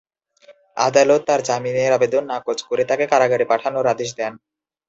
আদালত তাঁর জামিনের আবেদন নাকচ করে তাঁকে কারাগারে পাঠানোর আদেশ দেন।